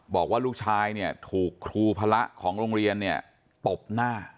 บอกว่าลูกชายเนี่ยถูกครูพระของโรงเรียนเนี่ยตบหน้า